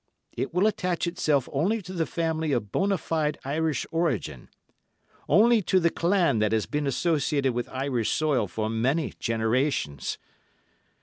It will attach itself only to the family of bona fide Irish origin, only to the clan that has been associated with Irish soil for many generations.